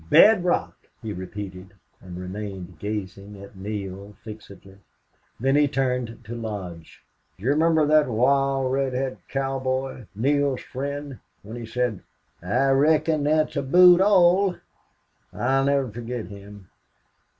"Bed rock!" he repeated, and remained gazing at Neale fixedly. Then he turned to Lodge. "Do you remember that wild red head cowboy Neale's friend when he said, 'I reckon thet's aboot all?'... I'll never forget him...